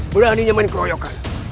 beraninya main keroyokan